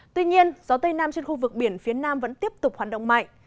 tuy nhiên gió tây nam trên khu vực biển phía nam vẫn tiếp tục hoạt động mạnh